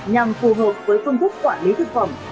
nhằm phù hợp với phương thức quản lý thực phẩm